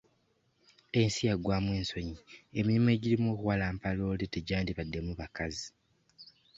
Ensi yaggwamu ensonyi emirimu egirimu okuwalampa loole tegyandibaddemu bakazi.